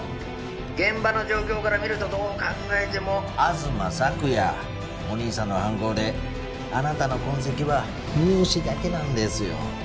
現場の状況から見るとどう考えても東朔也お兄さんの犯行であなたの痕跡は乳歯だけなんですよ